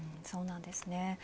そうなんですね。